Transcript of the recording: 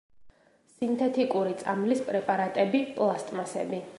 სინთეთიკური წამლის პრეპარატები, პლასტმასები.